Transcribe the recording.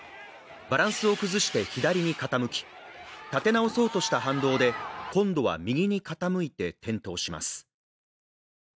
バランスを崩して左に傾き、立て直そうとした反動で今度は右に傾いて転倒します。